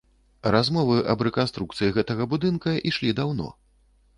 Размовы аб рэканструкцыі гэтага будынка ішлі даўно.